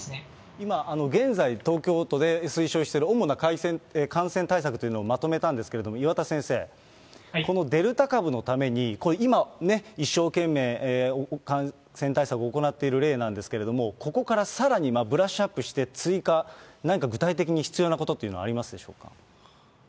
今、現在、東京都で推奨している主な感染対策というのをまとめたんですけれども、岩田先生、このデルタ株のために、今ね、一生懸命、感染対策を行っている例なんですけれども、ここからさらにブラッシュアップして追加、何か具体的に必要なことっていうのはありますでしょうか。